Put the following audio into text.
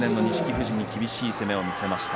富士に厳しい攻めを見せました。